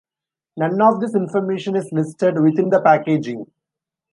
None of this information is listed within the packaging.